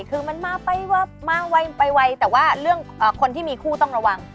คือมาไปว้าวมาไวไปแต่ว่าคนที่มีคู่ต้องระวัง